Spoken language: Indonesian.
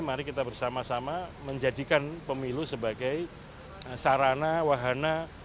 mari kita bersama sama menjadikan pemilu sebagai sarana wahana